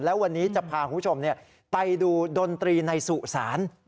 แล้ววันนี้จะพาคุณผู้ชมไปดูดนตรีในสุสาน